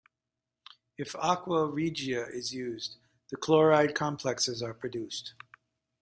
If "aqua regia" is used, the chloride complexes are produced.